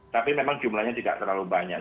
tapi memang jumlahnya tidak terlalu banyak